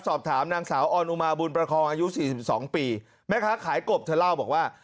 สอบถามนางสาวออนอุมาบุญประคองอายุ๔๒ปีแม่ค้าขายกบเธอเล่าบอกว่า